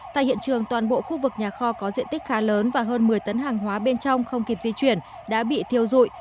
tại hiện trường toàn bộ khu vực nhà kho có diện tích khá lớn và hơn một mươi tấn hàng hóa bên trong không kịp di chuyển đã bị thiêu dụi